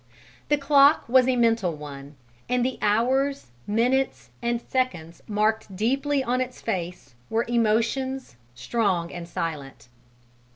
The clock was a mental one, and the hours, minutes and seconds marked deeply on its face were emotions, strong and silent.